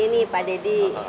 ini nih pak daddy